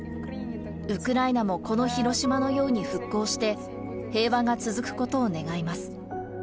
ウクライナも、この広島のように復興して、平和が続くことを願います。